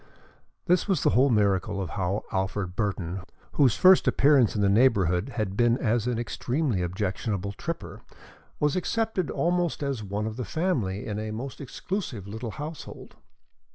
This was the whole miracle of how Alfred Burton, whose first appearance in the neighborhood had been as an extremely objectionable tripper, was accepted almost as one of the family in a most exclusive little household.